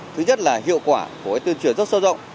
thứ nhất là hiệu quả của tuyên truyền rất sâu rộng